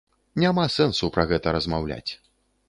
Няма сэнсу пра гэта размаўляць.